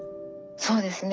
そうですね。